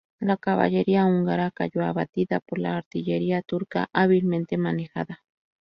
La caballería húngara cayó abatida por la artillería turca hábilmente manejada.